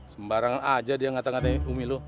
sembarangan aja dia ngata ngatain umi lu